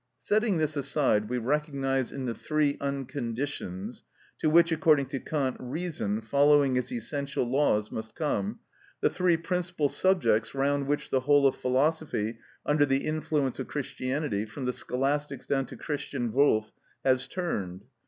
Setting this aside, we recognise in the three unconditioneds, to which, according to Kant, reason, following its essential laws, must come, the three principal subjects round which the whole of philosophy under the influence of Christianity, from the Scholastics down to Christian Wolf, has turned.